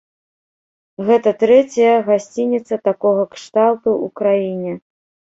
Гэта трэцяя гасцініца такога кшталту ў краіне.